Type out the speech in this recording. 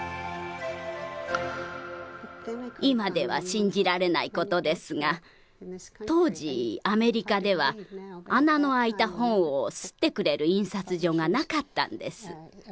今では信じられないことですが当時アメリカでは穴のあいた本を刷ってくれる印刷所がなかったんです。